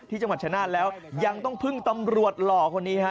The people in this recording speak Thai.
จังหวัดชะนานแล้วยังต้องพึ่งตำรวจหล่อคนนี้ฮะ